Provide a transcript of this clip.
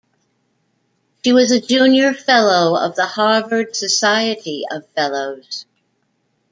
She was a Junior Fellow of the Harvard Society of Fellows.